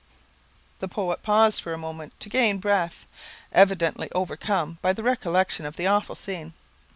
The poet paused for a moment to gain breath, evidently overcome by the recollection of the awful scene.